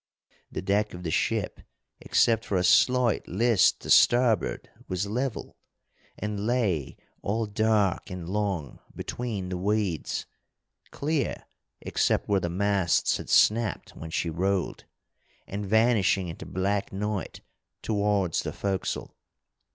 The deck of the ship, except for a slight list to starboard, was level, and lay all dark and long between the weeds, clear except where the masts had snapped when she rolled, and vanishing into black night towards the forecastle.